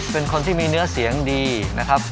เป็นคนที่มีเนื้อเสียงดีนะครับ